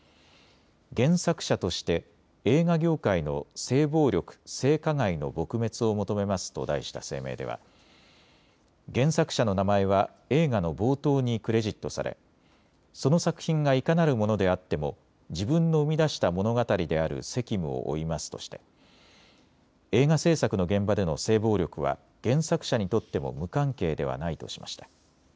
原作者として映画業界の性暴力、性加害の撲滅を求めますと題した声明では原作者の名前は映画の冒頭にクレジットされその作品がいかなるものであっても自分の生み出した物語である責務を負いますとして映画制作の現場での性暴力は原作者にとっても無関係ではないとしました。